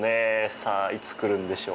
さあ、いつ来るんでしょう。